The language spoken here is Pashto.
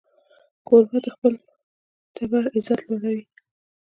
کوربه د خپل ټبر عزت لوړوي.